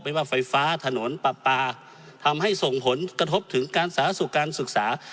ว่าไฟฟ้าถนนปลาปลาทำให้ส่งผลกระทบถึงการสาธารณสุขการศึกษา